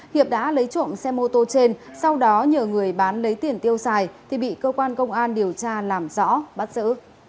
hiệp đã lấy trộm xe mô tô trên sau đó nhờ người bán lấy tiền tiêu xài thì bị cơ quan công an điều tra làm rõ bắt giữ